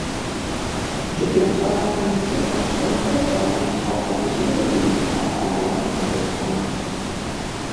Jjukira twagambye nti okusoma kwetaaga mu kifo nga tekiriimu binaakutaataganya ng'osoma.